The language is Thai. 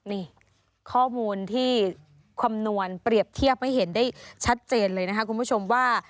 นี่ข้อมูลที่คำนวณเปรียบเทียบให้เห็นได้ชัดเจนเลยนะคะคุณผู้ชมว่า